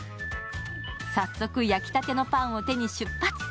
早速、焼きたてのパンを手に出発。